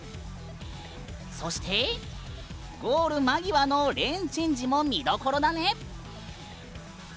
そして、ゴール間際のレーンチェンジも見どころだね。